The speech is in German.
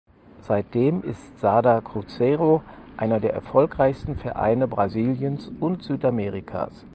Seitdem ist "Sada Cruzeiro" einer der erfolgreichsten Vereine Brasiliens und Südamerikas.